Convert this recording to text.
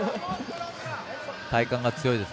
体幹が強いです。